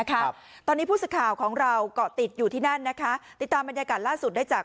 ครับตอนนี้ผู้สื่อข่าวของเราก็ติดอยู่ที่นั่นนะคะติดตามบรรยากาศล่าสุดได้จาก